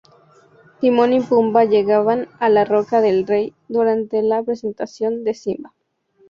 Timón y Pumba llegan a la Roca del Rey durante la presentación de Simba.